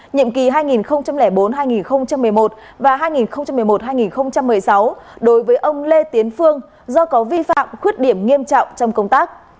nhiệm kỳ hai nghìn bốn hai nghìn một mươi một và hai nghìn một mươi một hai nghìn một mươi sáu đối với ông lê tiến phương do có vi phạm khuyết điểm nghiêm trọng trong công tác